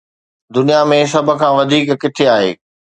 دنيا ۾ سڀ کان وڌيڪ ڪٿي آهي؟